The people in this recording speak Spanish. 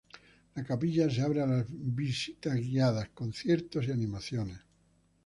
La capilla se abre a las visitas guiadas, conciertos y animaciones.